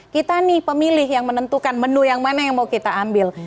kita nih pemilih yang menentukan menu yang mana yang mau kita ambil